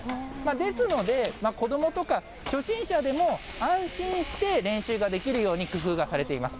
ですので、子どもとか初心者でも安心して練習ができるように工夫がされています。